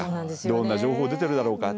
どんな情報出てるだろうか